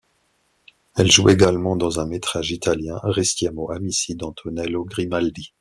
Elle joue également dans un métrage italien Restiamo Amici d'Antonello Grimaldi.